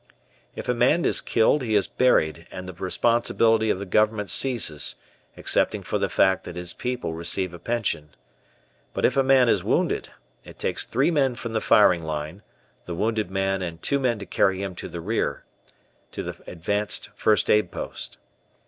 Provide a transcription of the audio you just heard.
If a man is killed he is buried, and the responsibility of the government ceases, excepting for the fact that his people receive a pension. But if a man is wounded it takes three men from the firing line, the wounded man and two men to carry him to the rear to the advanced first aid post.